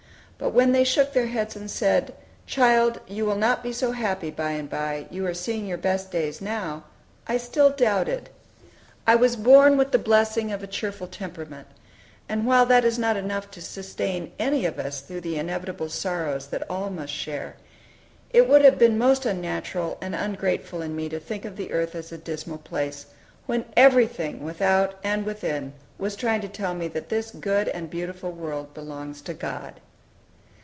But when they shook their heads and said, "Child, you will not be so happy by and by; you are seeing your best days now," I still doubted. I was born with the blessing of a cheerful temperament; and while that is not enough to sustain any of us through the inevitable sorrows that all must share, it would have been most unnatural and ungrateful in me to think of earth as a dismal place, when everything without and within was trying to tell me that this good and beautiful world belongs to God.